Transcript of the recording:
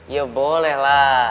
ya boleh lah